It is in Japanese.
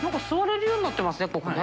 ここね。